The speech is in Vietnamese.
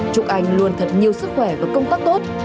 chúc anh luôn thật nhiều sức khỏe và công tác tốt